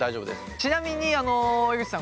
ちなみに江口さん